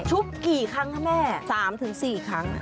ชุบกี่ครั้งแม่๓๔ครั้ง